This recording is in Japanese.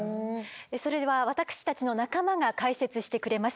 それでは私たちの仲間が解説してくれます。